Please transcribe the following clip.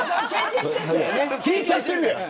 引いちゃってるやん。